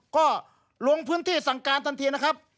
ก็ลงพื้นที่สั่งการทันทีนะครับ